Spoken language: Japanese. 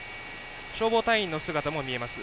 消防隊員の姿も見えます。